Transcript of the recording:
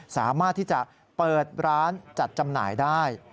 สามารถที่จะเปิดร้านจัดจำหน่ายได้